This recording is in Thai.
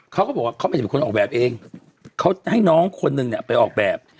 เขาก็บอกว่าเขาไม่ได้เป็นคนออกแบบเองเขาให้น้องคนนึงเนี่ยไปออกแบบ